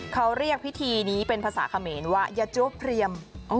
เขาเรียกพิธีนี้เป็นภาษาเขมรว่าอย่าจั๊วเพรียม